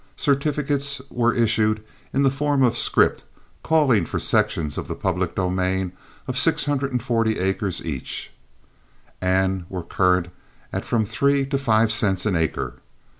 Certificates were issued in the form of scrip calling for sections of the public domain of six hundred and forty acres each, and were current at from three to five cents an acre.